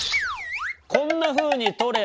こんなふうに撮れば。